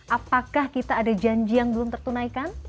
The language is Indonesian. apakah kita ada janji yang belum tertunaikan